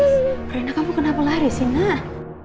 seringka kamu kenapa lari sih nak